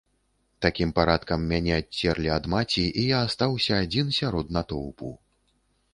Такім парадкам мяне адцерлі ад маці, і я астаўся адзін сярод натоўпу.